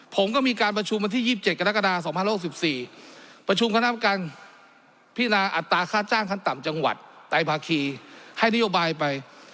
ผมก็มีการประชุมวันที่๒๗กรกฎา๒๐๖๔ประชุมคณะกรรมการพินาอัตราค่าจ้างขั้นต่ำจังหวัดไตภาคีให้นโยบายไป